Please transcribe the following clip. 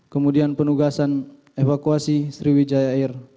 kemudian penugasan evakuasi sriwijaya air